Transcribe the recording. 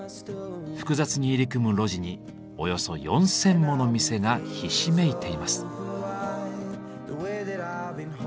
複雑に入り組む路地におよそ４，０００もの店がひしめいています。